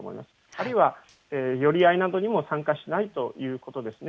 あるいは、寄り合いなどにも参加しないということですね。